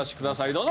どうぞ！